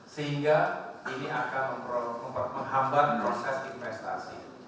sehingga ini akan menghambat proses investasi